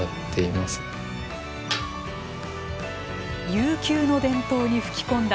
悠久の伝統に吹き込んだ